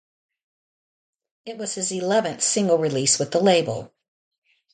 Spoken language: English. It was his eleventh single release with the label.